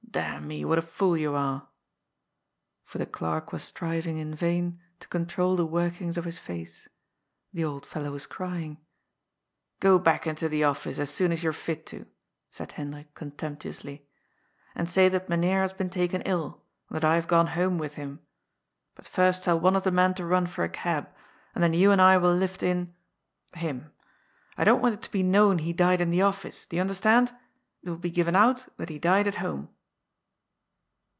D me, what a fool yon are !" For the clerk was striving in vain to control the work ings of his face. The old fellow was crying. " Go back into the oflSce, as soon as you're fit to," said Hendrik contemptuously, " and say that Mynheer has been taken ill, and that I have gone home with him. But first tell one of the men to run for a cab, and then you and I will lift in — him. I don't want it to be known he died in the office. Do you understand? It will be given out that he died at home."